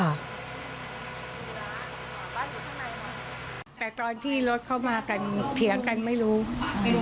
แต่ตอนที่รถเข้ามากันเถียงกันไม่รู้ไม่ได้ยินค่ะ